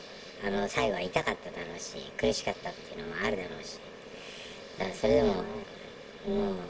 最後、痛かっただろうし、苦しかったっていうのもあるだろうし。